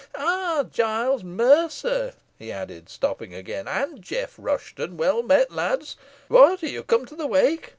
Ah, Giles Mercer," he added, stopping again, "and Jeff Rushton well met, lads! what, are you come to the wake?